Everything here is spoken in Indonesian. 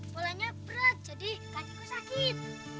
bolanya berat jadi kaki ku sakit